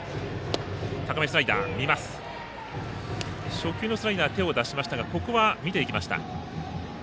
初球のスライダー手を出しましたがここは、見ていきました。